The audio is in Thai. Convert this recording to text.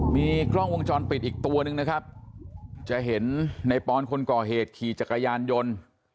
มีกล้องวงจรปิดอีกตัวนึงนะครับจะเห็นในปอนคนก่อเหตุขี่จักรยานยนต์